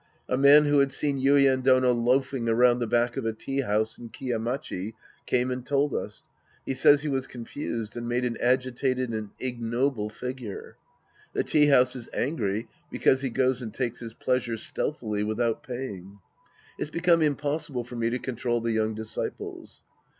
A man who had seen Yuien Dono loafing around the back of a tea house in Kiya Machi came and told us. He says he was confused and made an agitated and ignoble figure. The tea house is angry because he goes and takes his pleasure stealthily without paying. It's become impossible for me to control the young disciples.